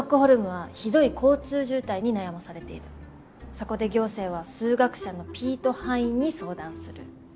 そこで行政は数学者のピート・ハインに相談する。